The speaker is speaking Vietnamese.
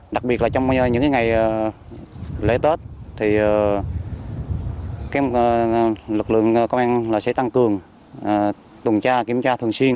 đặc biệt là trong những ngày lễ tết thì các lực lượng công an sẽ tăng cường tuần tra kiểm tra thường xuyên